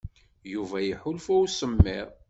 Yuba iḥulfa i usemmid.